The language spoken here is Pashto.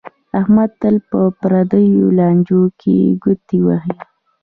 احمد تل په پردیو لانجو کې گوتې وهي